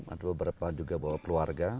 ada beberapa juga bawa keluarga